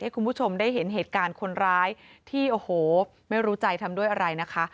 คุณผู้ชมได้เห็นเหตุการณ์คนร้ายที่โอ้โหไม่รู้ใจทำด้วยอะไรนะคะ